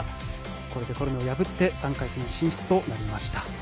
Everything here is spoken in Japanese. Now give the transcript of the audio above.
これでコルネを破って３回戦進出となりました。